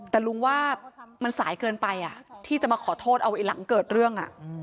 แต่ลุงว่ามันสายเกินไปที่จะมาขอโทษเอาหลังเกิดเรื่อง